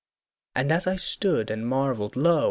And as I stood and marvelled, lo!